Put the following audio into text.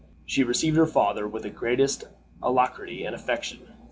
She received her father with the greatest alacrity and affection.